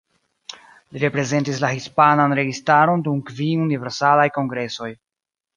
Li reprezentis la hispanan registaron dum kvin Universalaj Kongresoj.